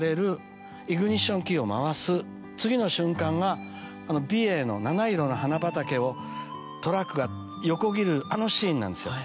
次の瞬間が美瑛の７色の花畑をトラックが横切るあのシーンなんですよ。